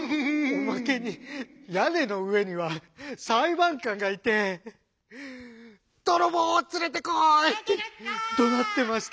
「おまけにやねのうえにはさいばんかんがいて『どろぼうをつれてこい！』ってどなってました」。